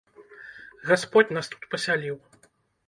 Гасподзь нас тут пасяліў.